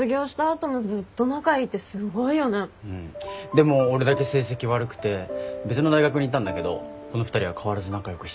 でも俺だけ成績悪くて別の大学に行ったんだけどこの２人は変わらず仲良くしてくれて。